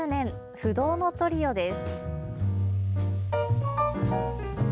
不動のトリオです。